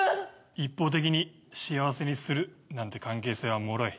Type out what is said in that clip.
一方的に幸せにするなんて関係性はもろい。